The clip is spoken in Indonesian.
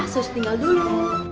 sus tinggal dulu